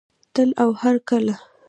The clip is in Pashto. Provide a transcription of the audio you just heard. تل او هرکله.